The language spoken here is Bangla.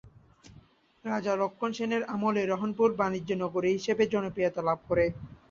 রাজা লক্ষন সেনের আমলে রহনপুর বাণিজ্য নগরী হিসেবে জনপ্রিয়তা লাভ করে।